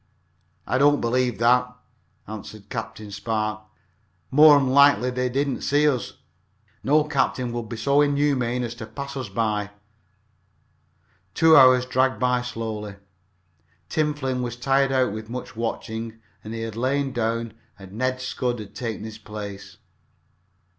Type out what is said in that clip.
"I don't believe that," answered Captain Spark. "More'n likely they didn't see us. No captain would be so inhuman as to pass us by." Two hours dragged by slowly. Tim Flynn was tired out with much watching and had lain down and Ned Scudd had taken his place.